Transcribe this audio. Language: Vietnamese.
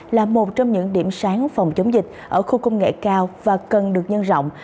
là một trong những điểm sáng phòng chống dịch ở khu công nghệ cao và cần được nhân rộng